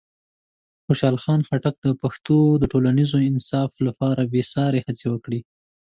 خوشحال خان خټک د پښتنو د ټولنیز انصاف لپاره بېساري هڅې وکړې.